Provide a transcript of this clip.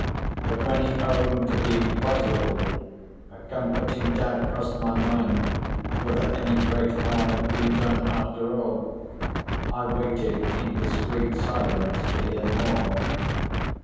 But when he owned to being puzzled, a comforting doubt crossed my mind whether any great harm had been done after all. I waited in discreet silence to hear more.